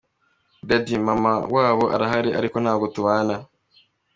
Daddy: Mama wabo arahari ariko ntabwo tubana.